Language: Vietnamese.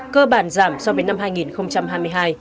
cơ bản giảm so với năm hai nghìn hai mươi hai